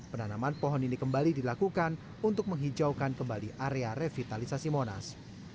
penanaman pohon ini kembali dilakukan untuk menghijaukan kembali area revitalisasi monas